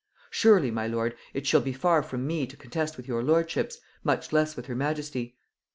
Surely, my lord, it shall be far from me to contest with your lordships, much less with her majesty.